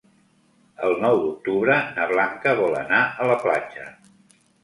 El nou d'octubre na Blanca vol anar a la platja.